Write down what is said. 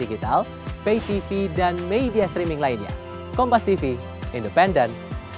dia gunakan pada saat kejadian